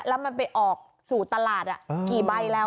แล้วมันไปออกสู่ตลาดกี่ใบแล้ว